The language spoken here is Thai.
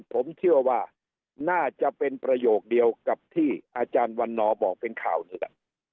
ผมเชื่อว่าน่าจะเป็นประโยคเดียวกับที่อาจารย์วันนอบอกเป็นข่าวนี่แหละ